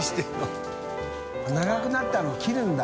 淵劵蹈漾長くなったのを切るんだ。